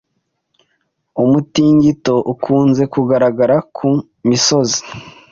Umutingito ukunze kugaragara ku misozi